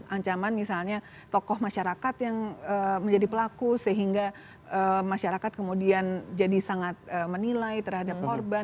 ancaman misalnya tokoh masyarakat yang menjadi pelaku sehingga masyarakat kemudian jadi sangat menilai terhadap korban